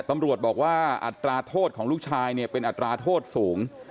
ตำรวจบอกว่าอัตราโทษของลูกชายเนี่ยเป็นอัตราโทษสูง